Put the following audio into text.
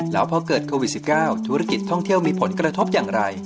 แล้วพอเกิดโควิด๑๙ธุรกิจท่องเที่ยวมีผลกระทบอย่างไร